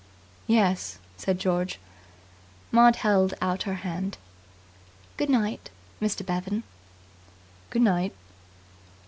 "Yes," said George. Maud held out her hand. "Good night, Mr. Bevan." "Good night."